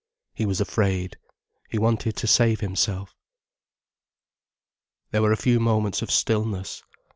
He was afraid, he wanted to save himself. There were a few moments of stillness.